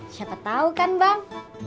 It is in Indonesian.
siapa tau kan bang